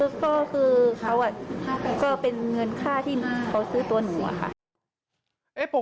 ก็เป็นเงินค่าที่เขาซื้อตัวหนู